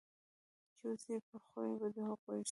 چې اوسې په خوی په د هغو سې.